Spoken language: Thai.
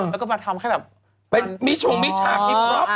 แล้วก็มาทำแค่แบบมีช่วงมีฉากอยู่ครับ